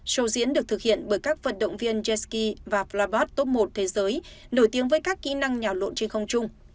show diễn được thực hiện bởi các vận động viên jetski flybots top một thế giới nổi tiếng với các kỹ năng nhào lộn trên không trung